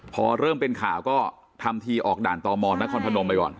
พอเริ่มเป็นข่าวก็ทำทีออกด่านตมนครพนมไปก่อน